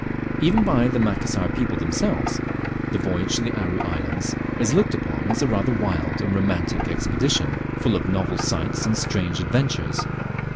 Even by the Macassar people themselves, the voyage to the Aru Islands is looked upon as a rather wild and romantic expedition, fall of novel sights and strange adventures.